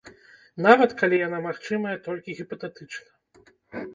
Нават калі яна магчымая толькі гіпатэтычна.